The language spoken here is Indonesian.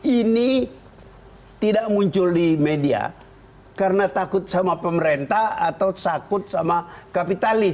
ini tidak muncul di media karena takut sama pemerintah atau takut sama kapitali